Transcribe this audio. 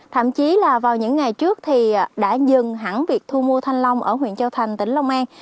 thậm chí là vào những ngày trước thì đã dừng hẳn việc thu mua thanh long ở huyện châu thành tỉnh long an